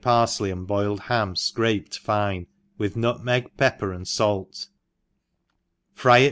parfley and boiled ham fcraped fine, with nutmeg, pepper, and fait, fry it.